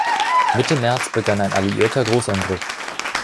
Mitte März begann ein alliierter Großangriff.